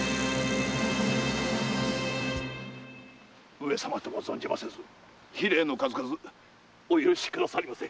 上様とは存じませず非礼の数々お許しくださいませ。